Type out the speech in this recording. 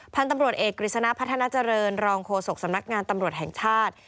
พันธุ์ตำรวจเอกกฤษณะพัฒนาเจริญรองโฆษกสำนักงานตำรวจแห่งชาติ